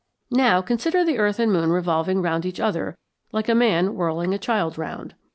Now consider the earth and moon revolving round each other like a man whirling a child round.